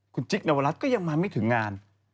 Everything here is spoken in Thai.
คุณจิ๊กนวรัฐก็ยังมาไม่ถึงงาน